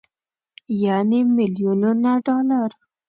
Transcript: يعنې ميليونونه ډالر.